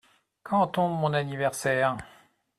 Quand tombe mon anniversaire ?